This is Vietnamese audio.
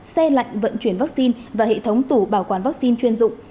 xe lạnh vận chuyển vaccine và hệ thống tủ bảo quản vaccine chuyên dụng